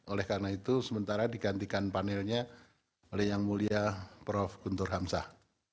oleh karena itu sementara digantikan panelnya oleh yang mulia prof guntur hamzah